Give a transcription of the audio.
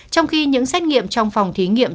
trong khi những xét nghiệm trong phòng thí nghiệm